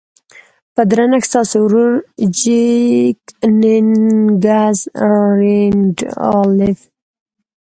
په درنښت ستاسې ورور جيننګز رينډالف.